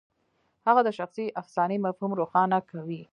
هغه د شخصي افسانې مفهوم روښانه کوي.